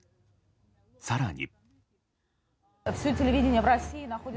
更に。